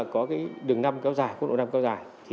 có đường năm kéo dài khuôn độ năm kéo dài